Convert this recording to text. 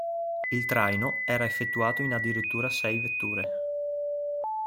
Il traino era effettuato in addirittura sei vetture.